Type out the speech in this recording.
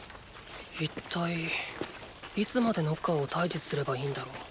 一体いつまでノッカーを退治すればいいんだろう。